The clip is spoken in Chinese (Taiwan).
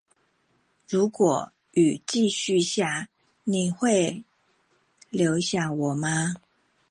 如果雨繼續下，你會留下我嗎